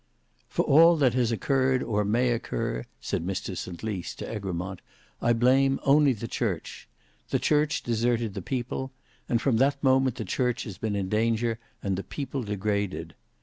"For all that has occurred or may occur," said Mr St Lys to Egremont, "I blame only the Church. The church deserted the people; and from that moment the church has been in danger and the people degraded.